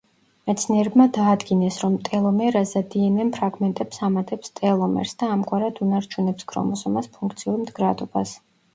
მეცნიერებმა დაადგინეს, რომ ტელომერაზა დნმ ფრაგმენტებს ამატებს ტელომერს და ამგვარად უნარჩუნებს ქრომოსომას ფუნქციურ მდგრადობას.